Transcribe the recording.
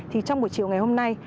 thì trong buổi chiều ngày hôm nay